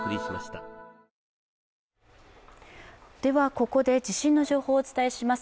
ここで地震の情報をお伝えします。